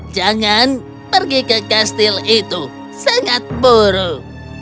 jangan pergi ke kastil itu sangat buruk